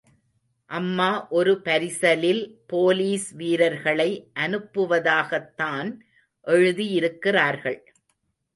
அம்மா ஒரு பரிசலில் போலீஸ் வீரர்களை அனுப்புவதாகத்தான் எழுதியிருக்கிறார்கள்.